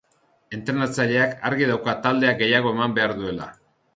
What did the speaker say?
Entrenatzaileak argi dauka taldeak gehiago eman behar duela.